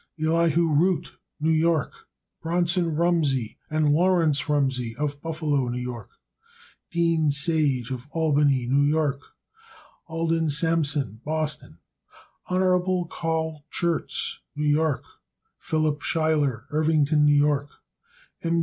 Elihu Root, New York. Bronson Rumsey, Buffalo, N. Y. Lawrence Rumsey, Buffalo, N. Y. Dean Sage, Albany, N. Y. Alden Sampson, Boston, Mass. Hon. Carl Schurz, New York. Philip Schuyler, Irvington, N. Y. M.